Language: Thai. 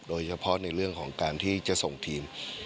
โดยเฉพาะในเรื่องของการที่จะส่งทีม